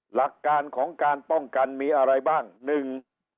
หลักการของการป้องกันมีอะไรบ้างหนึ่ง